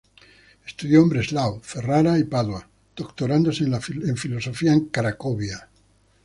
Estudió en Breslau, Ferrara y Padua, doctorándose en Filosofía en Cracovia.